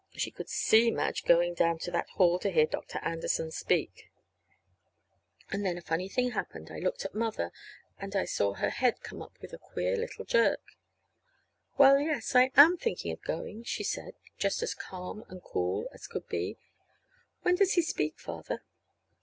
She could see Madge going down to that hall to hear Dr. Anderson speak! And then a funny thing happened. I looked at Mother, and I saw her head come up with a queer little jerk. "Well, yes, I am thinking of going," she said, just as calm and cool as could be. "When does he speak, Father?"